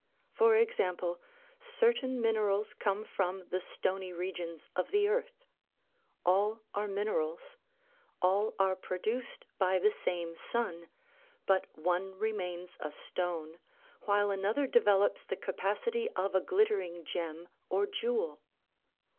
For example, certain minerals come from the stony regions of the earth. All are minerals ; all are produced by the same sun, but one remains a stone while another develops the capacity of a glittering gem or jewel.